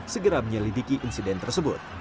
segera menyelidiki insiden tersebut